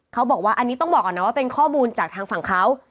เขาบอกว่าอันนี้ต้องบอกก่อนนะว่าเป็นข้อมูลจากทางฝั่งเขา